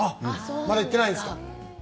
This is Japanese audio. まだ行ってないんですか。